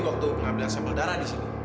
waktu pengambilan sampel darah disini